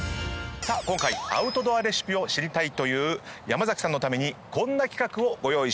今回アウトドアレシピを知りたい山崎さんのためにこんな企画をご用意しました。